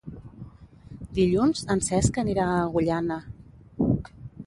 Dilluns en Cesc anirà a Agullana.